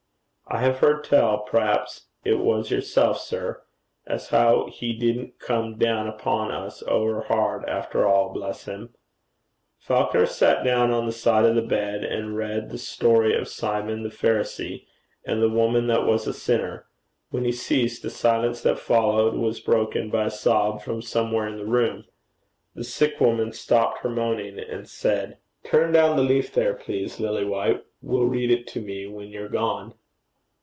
'I have heard tell p'raps it was yourself, sir as how he didn't come down upon us over hard after all, bless him!' Falconer sat down on the side of the bed, and read the story of Simon the Pharisee and the woman that was a sinner. When he ceased, the silence that followed was broken by a sob from somewhere in the room. The sick woman stopped her moaning, and said, 'Turn down the leaf there, please, sir. Lilywhite will read it to me when you're gone.'